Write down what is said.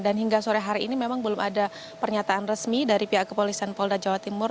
dan hingga sore hari ini memang belum ada pernyataan resmi dari pihak kepolisian polda jawa timur